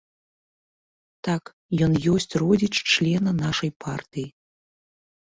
Так, ён ёсць родзіч члена нашай партыі.